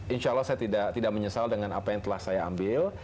insya allah saya tidak menyesal dengan apa yang telah saya ambil